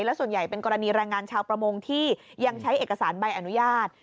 และส่วนใหญ่เป็นกรณีแรงงานชาวประมงที่ยังใช้เอกสารใบอนุญาต